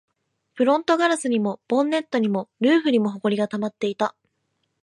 フロントガラスにも、ボンネットにも、ルーフにも埃が溜まっていた